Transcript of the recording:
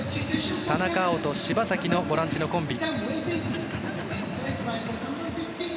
田中碧と柴崎のボランチのコンビ。